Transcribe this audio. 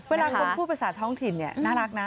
เวลาคนพูดภาษาท้องถิ่นเนี่ยน่ารักนะ